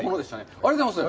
ありがとうございます。